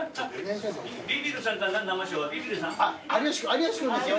有吉君ですよ